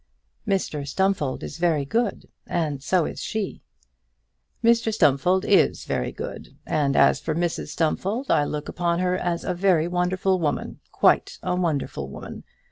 "Mr Stumfold is very good, and so is she." "Mr Stumfold is very good; and as for Mrs Stumfold, I look upon her as a very wonderful woman, quite a wonderful woman.